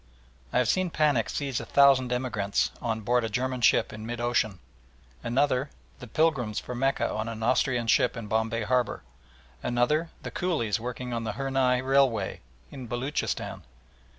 I have seen panic seize a thousand emigrants on board a German ship in mid ocean; another, the pilgrims for Mecca on an Austrian ship in Bombay Harbour; another, the coolies working on the Hurnai Railway in Beloochistan.